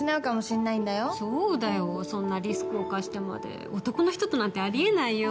そうだよそんなリスク冒してまで男の人となんてあり得ないよ。